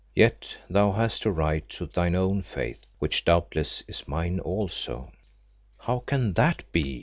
Yet thou hast a right to thine own faith, which doubtless is mine also." "How can that be?"